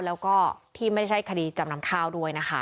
แล้วก็ที่ไม่ใช่คดีจำนำข้าวด้วยนะคะ